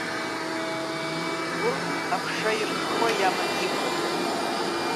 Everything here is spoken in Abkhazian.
Урҭ аԥша ирххо иаман иқәын.